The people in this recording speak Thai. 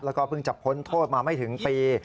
แล้วก็เพิ่งจะพ้นโทษมาไม่ถึงปี